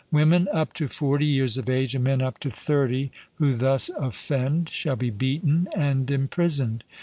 Women up to forty years of age, and men up to thirty, who thus offend, shall be beaten and imprisoned.